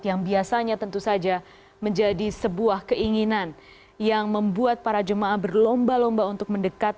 yang biasanya tentu saja menjadi sebuah keinginan yang membuat para jemaah berlomba lomba untuk mendekat